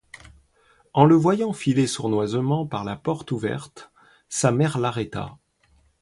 En le voyant filer sournoisement par la porte ouverte, sa mère l’arrêta.